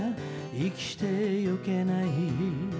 「生きてゆけない」